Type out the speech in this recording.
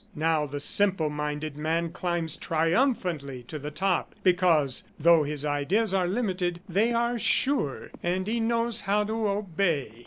... Now the simple minded man climbs triumphantly to the top, because, though his ideas are limited, they are sure and he knows how to obey.